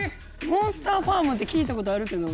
『モンスターファーム』って聞いた事あるけど。